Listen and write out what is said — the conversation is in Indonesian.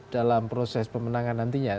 dalam proses pemenangan nantinya